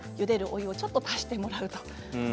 お湯をちょっと足してもらう。